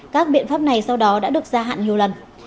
các biện pháp này sau đó đã được gia hạn nhiều lần